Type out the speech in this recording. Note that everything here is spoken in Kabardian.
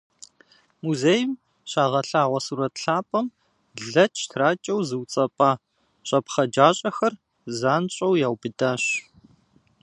Музейм щагъэлъагъуэ сурэт лъапӏэм лэч тракӏэу зыуцӏэпӏа щӏэпхъэджащӏэхэр занщӏэу яубыдащ.